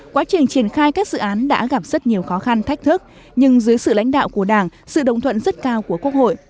quá trình triển khai các dự án đã gặp rất nhiều khó khăn thách thức nhưng dưới sự lãnh đạo của đảng sự đồng thuận rất cao của quốc hội